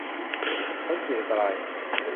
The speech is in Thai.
พ้นขีดอันตราย